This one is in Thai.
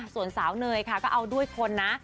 ส่วนสาวเนยค่ะก็เอาด้วยคนนะ